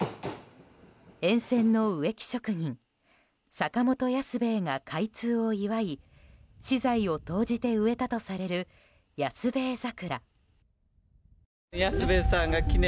沿線の植木職人・坂本安兵衛が開通を祝い私財を投じて植えたとされる安兵衛桜。